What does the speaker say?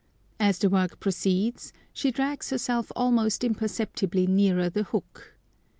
As the work proceeds she drags herself almost imperceptibly nearer the hook.